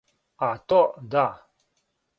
А то, да.